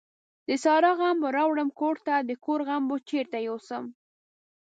د سارا غم به راوړم کورته ، دکور غم به چيري يو سم ؟.